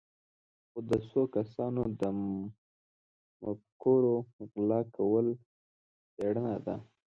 خو د څو کسانو د مفکورو غلا کول څېړنه ده.